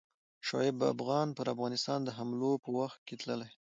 شعیب افغان پر افغانستان د حملو په وخت کې تللی.